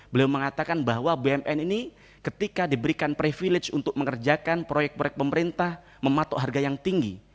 beliau mengatakan bahwa bmn ini ketika diberikan privilege untuk mengerjakan proyek proyek pemerintah mematok harga yang tinggi